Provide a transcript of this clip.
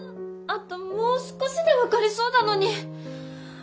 あともう少しで分かりそうだのに。